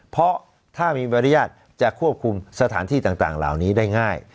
เพราะถ้ามีบรรยาทจะควบคุมสถานที่ต่างเหล่านี้ได้ง่าย